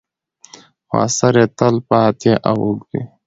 خو اثر یې تل پاتې او اوږد وي.